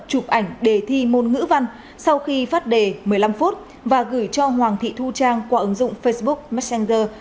chụp ảnh đề thi môn ngữ văn sau khi phát đề một mươi năm phút và gửi cho hoàng thị thu trang qua ứng dụng facebook messenger